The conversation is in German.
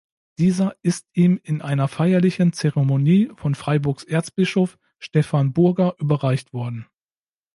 Dieser ist ihm in einer feierlichen Zeremonie von Freiburgs Erzbischof Stephan Burger überreicht worden.